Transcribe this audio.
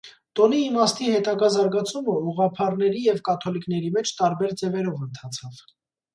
Տոնի իմաստի հետագա զարգացումը ուղղափառների և կաթոլիկների մեջ տարբեր ձևերով ընթացավ։